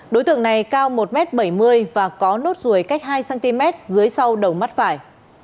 đối tượng này cao một m bảy mươi và có nốt ruồi cách hai cm dưới sau đầu mắt phải